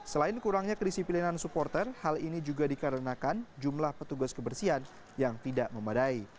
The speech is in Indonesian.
selain kurangnya kedisiplinan supporter hal ini juga dikarenakan jumlah petugas kebersihan yang tidak memadai